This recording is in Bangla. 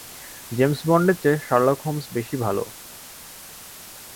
জেমস বন্ডের চেয়ে শার্লক হোমস বেশি ভালো।